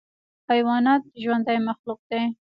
حیوانات ژوندی مخلوق دی.